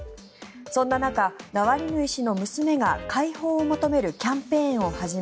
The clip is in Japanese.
そんな中、ナワリヌイ氏の娘が解放を求めるキャンペーンを始め